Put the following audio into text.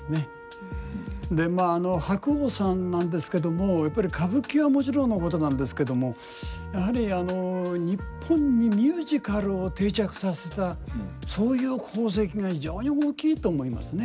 でまあ白鸚さんなんですけどもやっぱり歌舞伎はもちろんのことなんですけどもやはり日本にミュージカルを定着させたそういう功績が非常に大きいと思いますね。